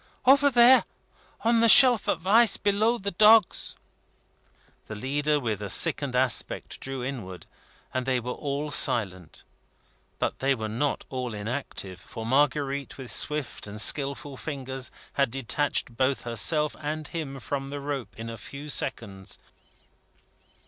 "See, there! On the shelf of ice below the dogs!" The leader, with a sickened aspect, drew inward, and they were all silent. But they were not all inactive, for Marguerite, with swift and skilful fingers, had detached both herself and him from the rope in a few seconds.